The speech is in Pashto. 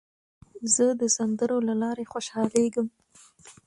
زه د سندرو له لارې خوشحالېږم.